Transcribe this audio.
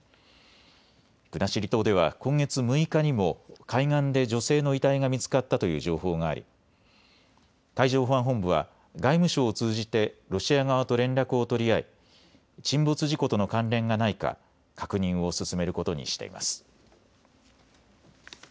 国後島では今月６日にも海岸で女性の遺体が見つかったという情報があり海上保安本部は外務省を通じてロシア側と連絡を取り合い沈没事故との関連がないか確認を進めることにしています。